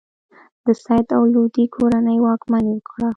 د سید او لودي کورنۍ واکمني وکړه.